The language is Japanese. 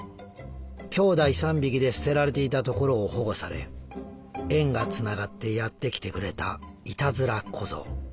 きょうだい３匹で捨てられていたところを保護され縁がつながってやって来てくれたいたずら小僧。